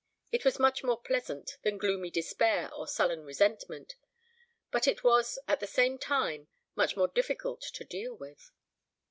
It was much more pleasant than gloomy despair or sullen resentment; but it was, at the same time, much more difficult to deal with.